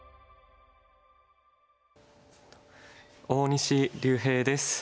大西竜平です。